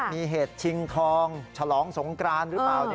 มีเหตุชิงทองฉลองสงกรานหรือเปล่า